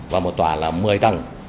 và một tòa là một mươi tầng